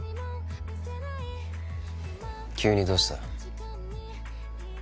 急にどうした？